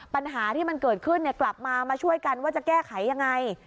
ปัญหาที่มันเกิดขึ้นกลับมามาช่วยกันว่าจะแก้ไขยังไง